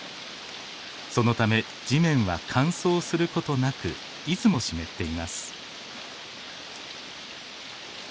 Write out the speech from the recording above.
そのため地面は乾燥することなくいつも湿っています。